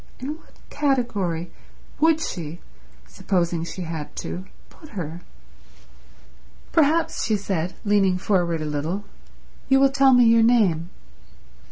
In what category would she, supposing she had to, put her? "Perhaps," she said, leaning forward a little, "you will tell me your name.